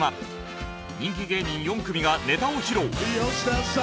人気芸人４組がネタを披露。